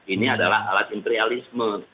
ini adalah alat imperialisme